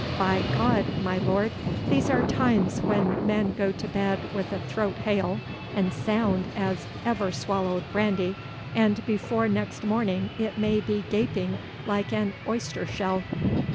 By G d, my lord, these are times when men go to bed with a throat hale and sound as ever swallowed brandy, and before next morning it may be gaping like an oyster shell."